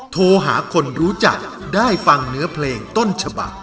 โทรหาคนรู้จักได้ฟังเนื้อเพลงต้นฉบัก